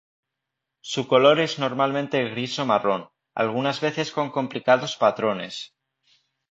Su color es normalmente gris o marrón, algunas veces con complicados patrones.